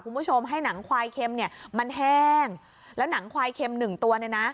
คุณผู้ชมให้หนังควายเค็มเนี่ยมันแห้งแล้วหนังควายเค็มหนึ่งตัวเนี่ยนะ